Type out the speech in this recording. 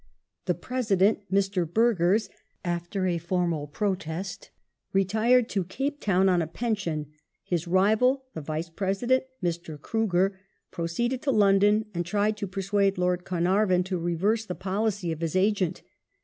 The President, Mr. Burgers, after a formal protest, retired to Cape Town on a pension ; his rival, the Vice President, Mr. Kruger, proceeded to London and tried to pei suade Lord Carnarvon to reverse the policy of his agent.